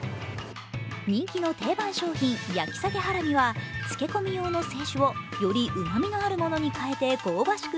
人気の定番商品、焼さけハラミは漬け込み用の清酒をよりうまみのあるものに変えて香ばしく